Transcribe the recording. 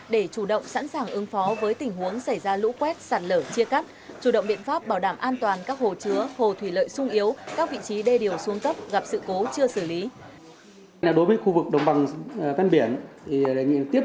để chủ động sẵn sàng ứng phó với tình huống xảy ra lũ quét sản lở chia cắt